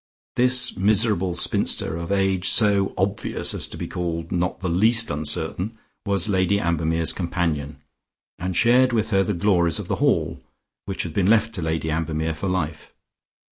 This miserable spinster, of age so obvious as to be called not the least uncertain, was Lady Ambermere's companion, and shared with her the glories of The Hall, which had been left to Lady Ambermere for life.